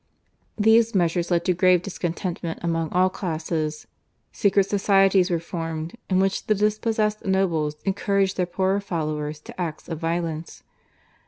These measures led to grave discontent among all classes. Secret societies were formed, in which the dispossessed nobles encouraged their poorer followers to acts of violence.